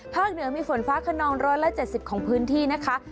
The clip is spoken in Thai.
ภาคเหนือมีฝนฟ้าขนองร้อยละ๗๐ของพื้นที่นะคะ